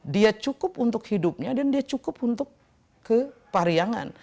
dia cukup untuk hidupnya dan dia cukup untuk kepariangan